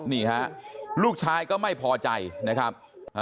นี่ฮะลูกชายก็ไม่พอใจนะครับ